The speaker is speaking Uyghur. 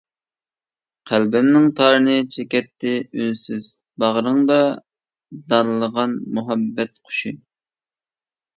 قەلبىمنىڭ تارىنى چېكەتتى ئۈنسىز، باغرىڭدا دانلىغان مۇھەببەت قۇشى.